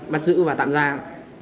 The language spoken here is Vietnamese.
bắt giữ và tạm gian